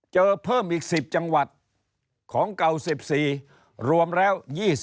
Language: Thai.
เพิ่มอีก๑๐จังหวัดของเก่า๑๔รวมแล้ว๒๐